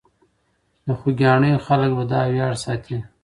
د خوګیاڼیو خلک به دا ویاړ ساتي.